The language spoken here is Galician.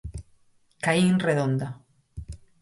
Caín redonda.